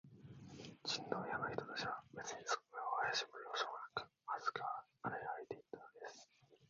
チンドン屋の人たちは、べつにそれをあやしむようすもなく、まっすぐに歩いていくのです。